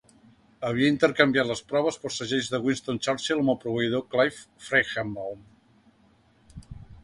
Havia intercanviat les proves per segells de Winston Churchill amb el proveïdor Clive Feigenbaum.